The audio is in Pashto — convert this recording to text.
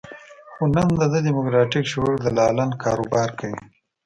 خو نن د ده د دیموکراتیک شعور دلالان کاروبار کوي.